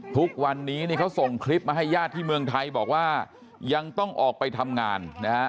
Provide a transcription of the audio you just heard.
ทุกวันนี้นี่เขาส่งคลิปมาให้ญาติที่เมืองไทยบอกว่ายังต้องออกไปทำงานนะฮะ